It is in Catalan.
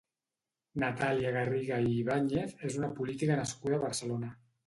Natàlia Garriga i Ibáñez és una política nascuda a Barcelona.